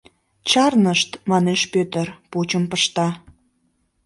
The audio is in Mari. — Чарнышт, — манеш Пӧтыр, пучым пышта.